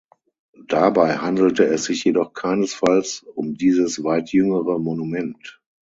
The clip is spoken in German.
Dabei handelte es sich jedoch keinesfalls um dieses weit jüngere Monument.